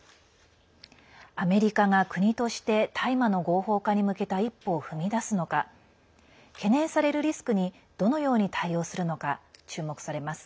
アメリカが国として大麻の合法化に向けた一歩を踏み出すのか懸念されるリスクに、どのように対応するのか注目されます。